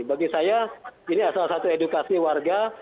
bagi saya ini salah satu edukasi warga